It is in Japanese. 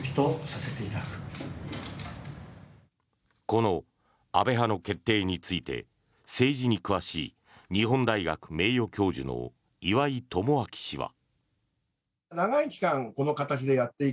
この安倍派の決定について政治に詳しい日本大学名誉教授の岩井奉信氏は。